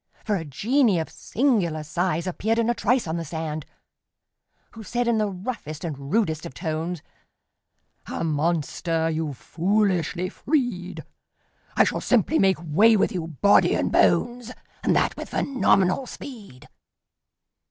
For a genie of singular size Appeared in a trice on the sand, Who said in the roughest and rudest of tones: "A monster you've foolishly freed! I shall simply make way with you, body and bones, And that with phenomenal speed!"